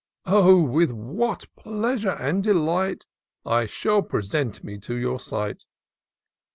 Oh ! with what pleasure and delight I shall present me to your sight